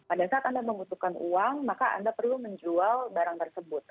pada saat anda membutuhkan uang maka anda perlu menjual barang tersebut